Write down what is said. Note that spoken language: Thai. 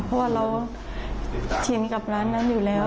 เพราะว่าเราชินกับร้านนั้นอยู่แล้ว